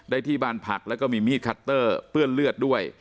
ที่บ้านพักแล้วก็มีมีดคัตเตอร์เปื้อนเลือดด้วย